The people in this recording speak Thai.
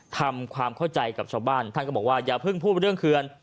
ทำความเข้าใจกับชาวบ้านท่านก็บอกว่าอย่าเพิ่งพูดเรื่องเคือน